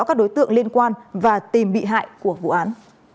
các đối tượng liên quan và tìm bị hại của vụ án